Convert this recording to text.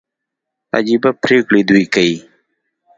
عجبه پرېکړي دوى کيي.